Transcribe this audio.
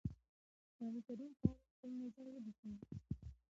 قرآنکريم په اړه خپل نظر وليکی؟